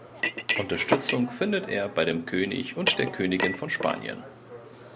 Unterstützung findet er bei dem König und der Königin von Spanien.